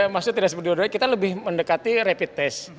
maksudnya tidak seperti dua duanya kita lebih mendekati rapid test